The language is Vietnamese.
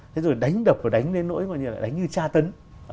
thế rồi đánh đập và đánh lên nỗi đánh như tra tấn